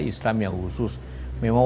islam yang khusus memang